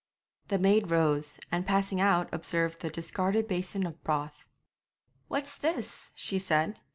The maid rose, and passing out observed the discarded basin of broth. 'What's this?' she said.